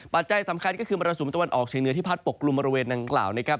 ปัจจัยสำคัญก็คือมรสุมตะวันออกเฉียงเหนือที่พัดปกกลุ่มบริเวณดังกล่าวนะครับ